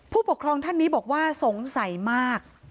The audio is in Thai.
ผู้ปกครองท่านนี้บอกว่าสงสัยมาก